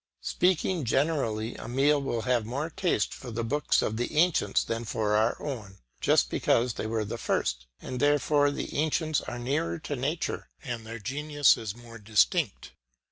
Speaking generally Emile will have more taste for the books of the ancients than for our own, just because they were the first, and therefore the ancients are nearer to nature and their genius is more distinct.